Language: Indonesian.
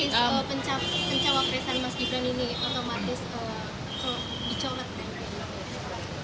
ini kan cawapresan mas gibran ini otomatis dicoret